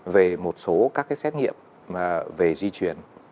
về một số các cái xét nghiệm về di chuyển